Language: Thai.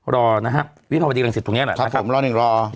รอนะฮะวิทยาลักษณ์วันดีการเสร็จตรงนี้แหละครับผมรอหนึ่งรอ